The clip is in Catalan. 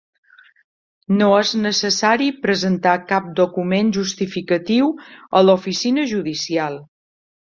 No és necessari presentar cap document justificatiu a l'oficina judicial.